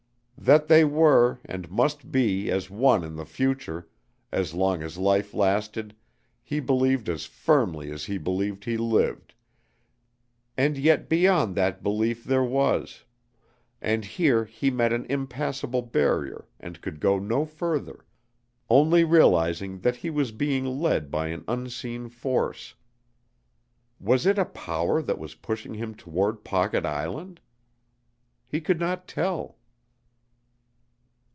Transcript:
That they were, and must be as one in the future as long as life lasted, he believed as firmly as he believed he lived, and yet beyond that belief there was and here he met an impassable barrier and could go no further, only realizing that he was being led by an unseen force. Was it a power that was pushing him toward Pocket Island? He could not tell.